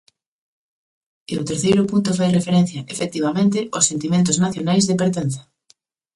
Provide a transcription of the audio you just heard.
E o terceiro punto fai referencia, efectivamente, aos sentimentos nacionais de pertenza.